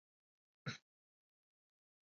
Aychanka yapa nanahushpan kihahun.